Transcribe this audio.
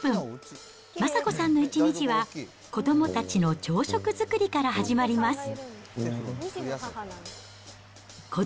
昌子さんの一日は、子どもたちの朝食作りから始まります。